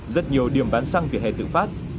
rất nhiều điểm bán xăng về hệ tự phát